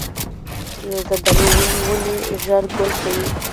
د زردالو ونې ولې ژر ګل کوي؟